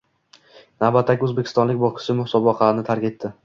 Navbatdagi o‘zbekistonlik bokschi musobaqani tark etdi